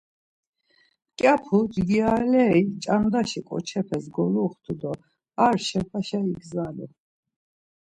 Mǩyapu cgiraleri ç̌andaşi ǩoçepes goluxtu do ar şepaşa igzalu.